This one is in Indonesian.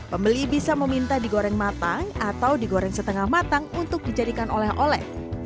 pembeli bisa meminta digoreng matang atau digoreng setengah matang untuk dijadikan oleh oleh